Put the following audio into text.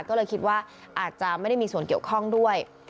ก็เลยคิดว่าอาจจะไม่ได้มีส่วนเกี่ยวข้องด้วย